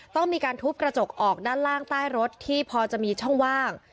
ต้องมีการทุบกระจกออกด้านล่างใต้รถที่พอจะมีช่องว่าง